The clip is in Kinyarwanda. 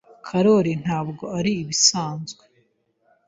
Karoli ntabwo ari ibisanzwe.